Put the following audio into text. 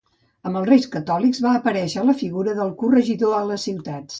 Amb els Reis Catòlics, va aparèixer la figura del corregidor a les ciutats.